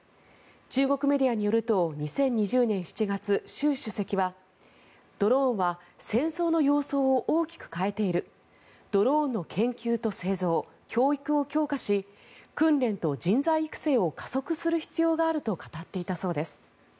中国メディアによると２０２０年７月、習主席はドローンは戦争の様相を大きく変えているドローンの研究と製造教育を強化し訓練と人材育成を加速する必要があると語っていたそうです。